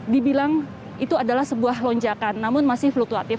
dibilang itu adalah sebuah lonjakan namun masih fluktuatif